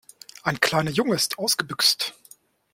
Ein kleiner Junge ist ausgebüxt.